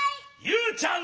ゆうちゃん！